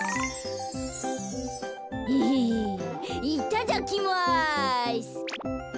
エヘヘいただきます。